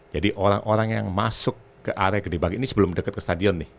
jadi orang orang yang masuk ke area kedua bagian ini sebelum dekat ke stadion nih